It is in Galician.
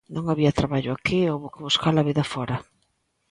Non había traballo aquí e houbo que buscar a vida fóra.